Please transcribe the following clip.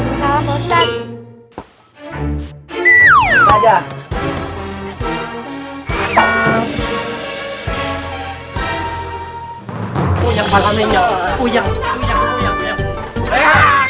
assalamualaikum pak ustadz